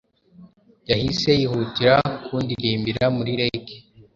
Yahise yihutira kundirimbira muri raggae